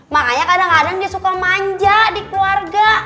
makanya kadang kadang dia suka manja di keluarga